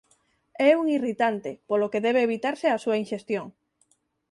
É un irritante polo que debe evitarse a súa inxestión.